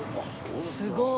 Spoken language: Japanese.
すごい！